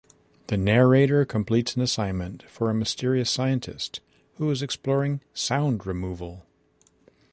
The narrator completes an assignment for a mysterious scientist, who is exploring "sound removal".